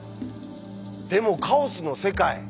でもカオスの世界